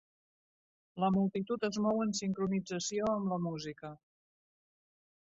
La multitud es mou en sincronització amb la música.